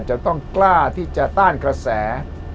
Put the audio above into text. จะต้องกล้าที่จะต้านกระแส